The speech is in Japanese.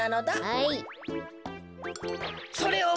はい。